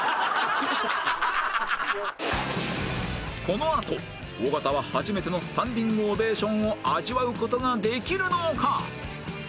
このあと尾形は初めてのスタンディングオベーションを味わう事ができるのか？